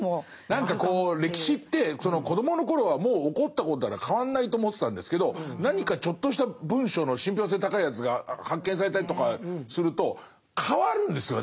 何かこう歴史って子どもの頃はもう起こったことだから変わんないと思ってたんですけど何かちょっとした文書の信憑性高いやつが発見されたりとかすると変わるんですよね。